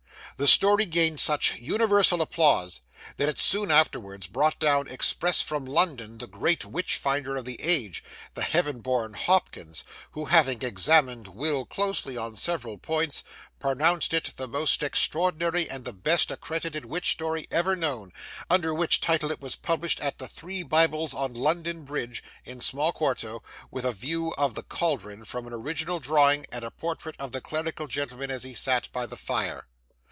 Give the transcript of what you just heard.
The story gained such universal applause that it soon afterwards brought down express from London the great witch finder of the age, the Heaven born Hopkins, who having examined Will closely on several points, pronounced it the most extraordinary and the best accredited witch story ever known, under which title it was published at the Three Bibles on London Bridge, in small quarto, with a view of the caldron from an original drawing, and a portrait of the clerical gentleman as he sat by the fire.